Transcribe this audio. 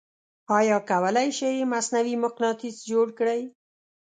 آیا کولی شئ مصنوعې مقناطیس جوړ کړئ؟